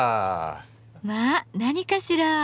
まあ何かしら？